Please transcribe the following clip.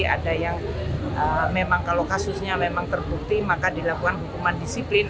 ada yang memang kalau kasusnya memang terbukti maka dilakukan hukuman disiplin